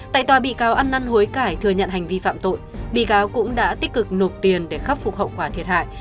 tại tòa bị cáo ăn năn hối cải thừa nhận hành vi phạm tội bị cáo cũng đã tích cực nộp tiền để khắc phục hậu quả thiệt hại